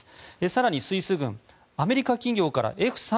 更にスイス軍、アメリカ企業からＦ３５